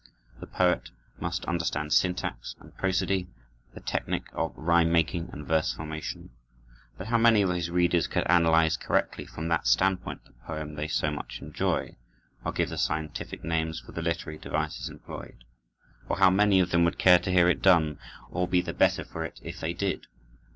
The poet must understand syntax and prosody, the technic of rhyme making and verse formation; but how many of his readers could analyze correctly from that standpoint the poem they so much enjoy, or give the scientific names for the literary devices employed? Or how many of them would care to hear it done, or be the better for it if they did?